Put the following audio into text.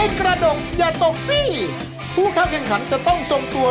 ผู้ข้าวกินแขนกรรมจะต้องส่งตัว